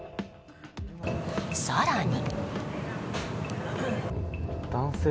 更に。